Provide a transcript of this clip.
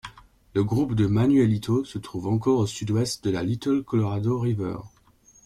Le groupe de Manuelito se trouve encore au sud-ouest de la Little Colorado River.